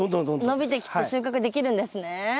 伸びてきて収穫できるんですね。